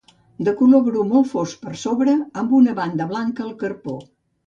De color bru molt fosc per sobre, amb una banda blanca al carpó.